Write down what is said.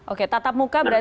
oke tatap muka berarti